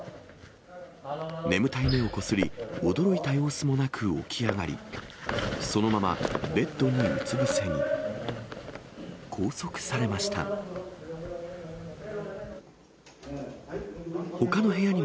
眠たい目をこすり、驚いた様子もなく起き上がり、そのまま、ベッドにうつ伏せに。